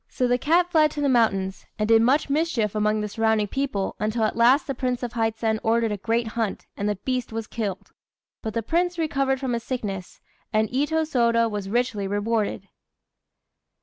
So the cat fled to the mountains, and did much mischief among the surrounding people, until at last the Prince of Hizen ordered a great hunt, and the beast was killed. But the Prince recovered from his sickness; and Itô Sôda was richly rewarded.